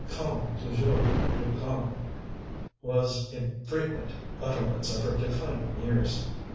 "Calme, toujours plus calme," was a frequent utterance of her declining years.